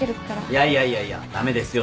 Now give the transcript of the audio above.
いやいやいやいや駄目ですよ